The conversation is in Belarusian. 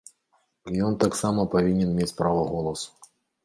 І ён таксама павінен мець права голасу.